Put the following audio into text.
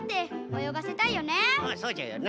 そうじゃよな。